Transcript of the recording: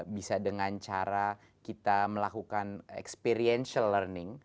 bisa dengan cara kita melakukan experiential learning